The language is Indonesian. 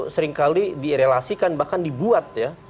seringkali direlasikan bahkan dibuat ya